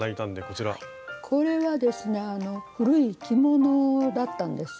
これはですね古い着物だったんです。